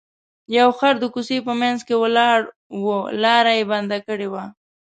یو خر د کوڅې په منځ کې ولاړ و لاره یې بنده کړې وه.